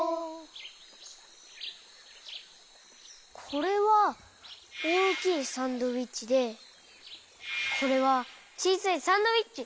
これはおおきいサンドイッチでこれはちいさいサンドイッチ。